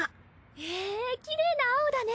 へぇきれいな青だね。